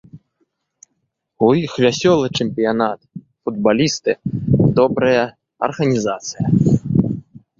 У іх вясёлы чэмпіянат, футбалісты добрыя, арганізацыя.